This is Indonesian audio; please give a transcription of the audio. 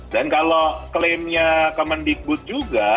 dan kalau klaimnya kemendikbud juga